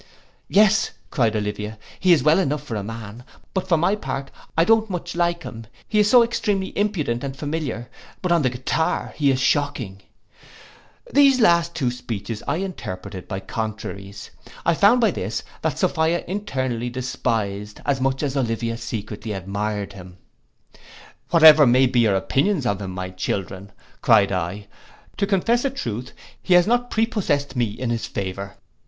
'—'Yes,' cried Olivia, 'he is well enough for a man; but for my part, I don't much like him, he is so extremely impudent and familiar; but on the guitar he is shocking.' These two last speeches I interpreted by contraries. I found by this, that Sophia internally despised, as much as Olivia secretly admired him.—'Whatever may be your opinions of him, my children,' cried I, 'to confess a truth, he has not prepossest me in his favour.